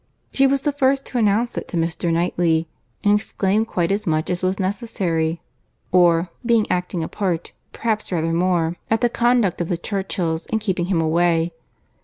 She was the first to announce it to Mr. Knightley; and exclaimed quite as much as was necessary, (or, being acting a part, perhaps rather more,) at the conduct of the Churchills, in keeping him away.